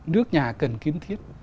nước nhà cần kiến thiết